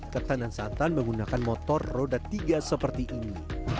ketan dan santan menggunakan motor roda tiga seperti ini